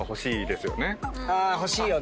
あ欲しいよね。